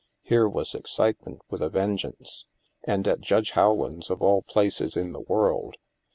Here was excitement with a vengeance! And at Judge Howland's, of all places in the world!